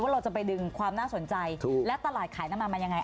เราจะไปดึงความน่าสนใจและตลาดขายน้ำมันมันยังไง